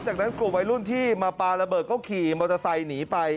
จากนั้นกลุ่มวัยรุ่นที่มาปลาระเบิดก็ขี่มอเตอร์ไซค์หนีไป